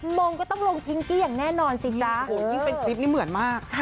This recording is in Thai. งงก็ต้องลงพิงกี้อย่างแน่นอนสิจ๊ะยิ่งเป็นคลิปนี้เหมือนมาก